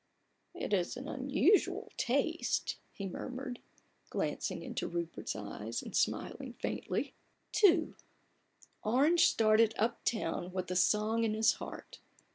" It is an unusual taste," he murmured, glancing into Rupert's eyes, and smiling faintly. 22 A BOOK OF BARGAINS. II Orange started " up town " with a song in his heart.